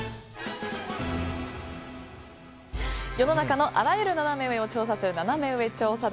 世の中のあらゆるナナメ上を調査するナナメ上調査団。